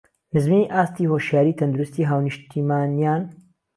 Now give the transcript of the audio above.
نزمیی ئاستی هۆشیاریی تهندروستی هاونیشتیمانییان